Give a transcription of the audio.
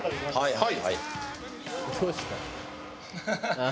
はい。